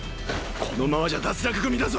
このままじゃ脱落組だぞ！